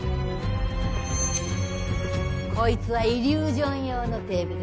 こいつはイリュージョン用のテーブルだ。